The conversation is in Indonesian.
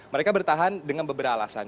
mereka bertahan dengan beberapa alasan